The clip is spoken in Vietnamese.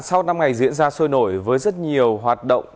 sau năm ngày diễn ra sôi nổi với rất nhiều hoạt động